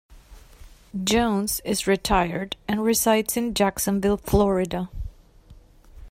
Jones is retired and resides in Jacksonville, Florida.